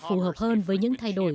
phù hợp hơn với những thay đổi